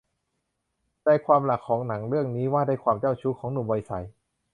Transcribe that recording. ใจความหลักของหนังเรื่องนี้ว่าด้วยความเจ้าชู้ของหนุ่มวัยใส